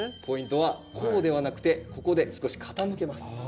ポイントはこうではなくてここで少し傾けます。